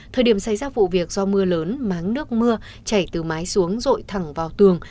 thời điểm xảy ra vụ việc do mưa lớn máng nước mưa chảy từ mái xuống rội thẳng vào tường